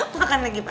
makan lagi pak